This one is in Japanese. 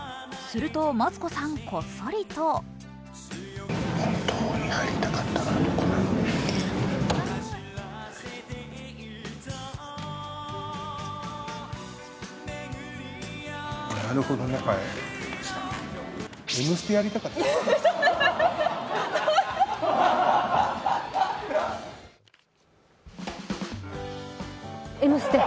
するとマツコさん、こっそりとＭステ？